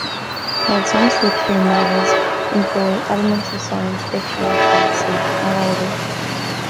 While some slipstream novels employ elements of science fiction or fantasy, not all do.